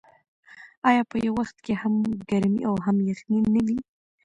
آیا په یو وخت کې هم ګرمي او هم یخني نه وي؟